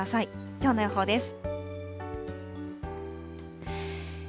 きょうの予報です。